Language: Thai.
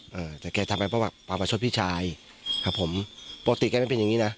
อ่าแต่แกทำมาสแต่หัวประชุดพี่ชายครับผมโปรติแกไม่เป็นอย่างนี้นะ